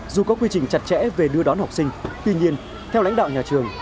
dù có quy trình chặt chẽ về đưa đón học sinh tuy nhiên theo lãnh đạo nhà trường